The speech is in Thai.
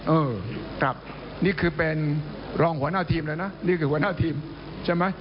เออครับนี่คือเป็นรองหัวหน้าทีมแล้วนะนี่คือหัวหน้าทีมใช่ไหม